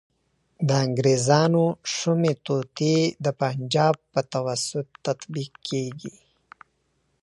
د انګریزانو شومي توطیې د پنجاب په توسط تطبیق کیږي.